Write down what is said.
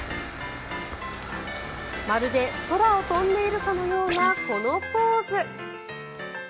まるで空を飛んでいるかのような個のポーズ。